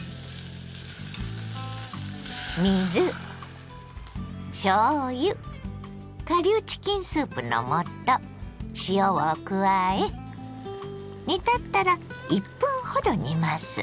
水しょうゆ顆粒チキンスープの素塩を加え煮立ったら１分ほど煮ます。